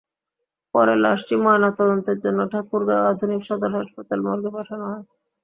পরে লাশটি ময়নাতদন্তের জন্য ঠাকুরগাঁও আধুনিক সদর হাসপাতাল মর্গে পাঠানো হয়।